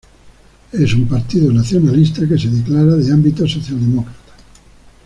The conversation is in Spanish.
Es un partido nacionalista que se declara de ámbito socialdemócrata.